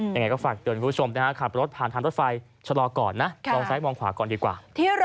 ยังไงก็ฝากเตือนคุณผู้ชมนะฮะขับรถผ่านทางรถไฟชะลอก่อนนะมองซ้ายมองขวาก่อนดีกว่า